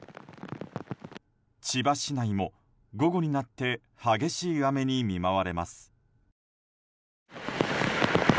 千葉市内も午後になって激しい雨に見舞われます。